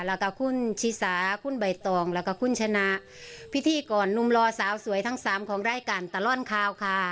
แล้วก็คุณชิสาคุณใบตองแล้วก็คุณชนะพิธีกรหนุ่มรอสาวสวยทั้งสามของรายการตลอดข่าวค่ะ